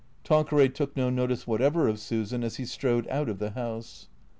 Tanqueray took no notice whatever of Susan as he strode out of the house.